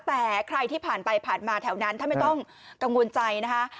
แต่ใครที่ผ่านไปผ่านมาแถวนั้นท่านไม่ต้องกังวลใจนะคะ